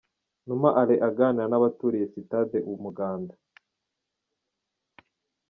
Numa Alain aganira n'abaturiye sitade Umuganda.